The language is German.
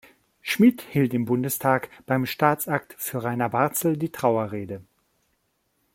Schmidt hielt im Bundestag beim Staatsakt für Rainer Barzel die Trauerrede.